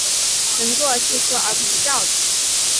乘坐汽车而不是轿子